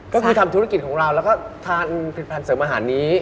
ก็คือทำธุรกิจของเราแล้วก็ทานผลิตภัณฑ์เสริมอาหารนี้